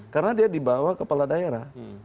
karena dia dibawa kepala daerah